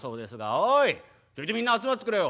「おいちょいとみんな集まってくれよ」。